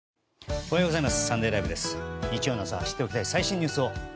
おはようございます。